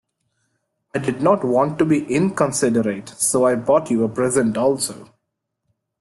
I did not want to be inconsiderate so I bought you a present also.